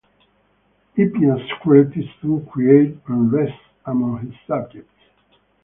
Hippias' cruelty soon created unrest among his subjects.